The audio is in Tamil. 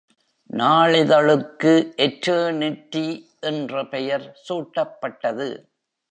நாளிதழுக்கு "Eternity" என்ற பெயர் சூட்டப்பட்டது.